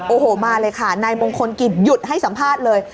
โอ้โหมาเลยค่ะนายมงคลกิจหยุดให้สัมภาษณ์เลย